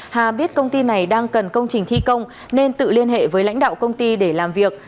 hà biết công ty này đang cần công trình thi công nên tự liên hệ với lãnh đạo công ty để làm việc